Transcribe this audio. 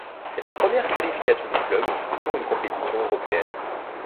C'est la première qualification du club pour une compétition européenne.